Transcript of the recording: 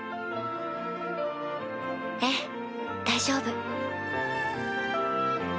ええ大丈夫。